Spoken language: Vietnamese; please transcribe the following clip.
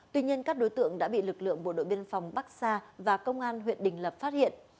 tuy nhiên các đối tượng đã bị lực lượng bộ đội biên phòng bắc sa và công an huyện đình lập phát hiện